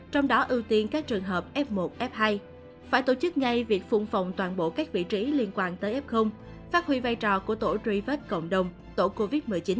trong đó ưu tiên các trường hợp f một f hai phải tổ chức ngay việc phung phòng toàn bộ các vị trí liên quan tới f phát huy vai trò của tổ truy vết cộng đồng tổ covid một mươi chín